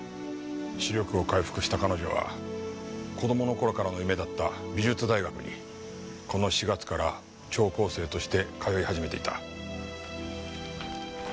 視力を回復した彼女は子供の頃からの夢だった美術大学にこの４月から聴講生として通い始めていた。